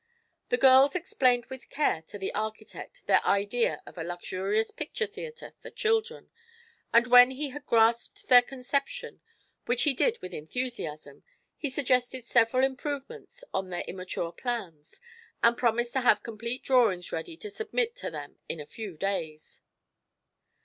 The girls explained with care to the architect their idea of a luxurious picture theatre for children, and when he had grasped their conception, which he did with enthusiasm, he suggested several improvements on their immature plans and promised to have complete drawings ready to submit to them in a few days.